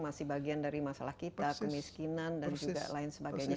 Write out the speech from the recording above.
masih bagian dari masalah kita kemiskinan dan juga lain sebagainya